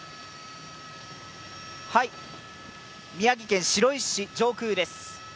宮城県白石市上空です。